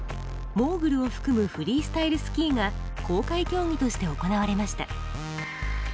モーグルを含むフリースタイルスキーが公開競技として行われました。